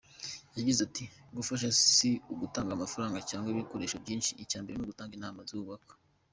Yagize ati “Gufasha si ugutanga amafaranga cyangwa ibikoresho byinshi, icyambere ni ugutanga inama zubaka.